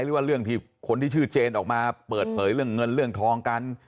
หรือว่าเรื่องที่คนที่ชื่อเจนออกมาเปิดเผยเรื่องเงินเรื่องทองกัน